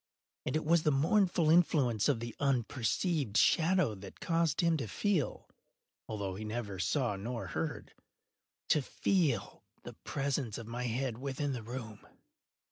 And it was the mournful influence of the unperceived shadow that caused him to feel—although he neither saw nor heard—to feel the presence of my head within the room.